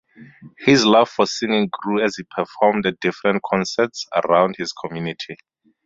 His love for singing grew as he performed at different concerts around his community.